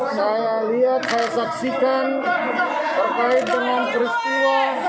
saya lihat saya saksikan terkait dengan peristiwa